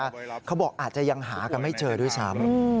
เขาบอกอาจจะยังหากันไม่เจอด้วยซ้ำ